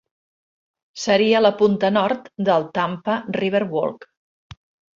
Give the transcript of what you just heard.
Seria la punta nord del Tampa Riverwalk.